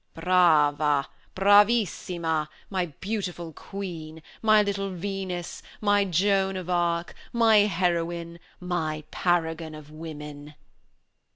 "Brava! Bravissima! my beautiful queen! my little Venus! my Joan of Arc! my heroine! my paragon of women!"